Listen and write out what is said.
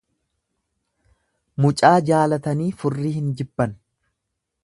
Mucaa jaalatanii furrii hin jibban.